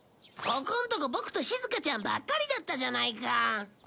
ここんとこボクとしずかちゃんばっかりだったじゃないか。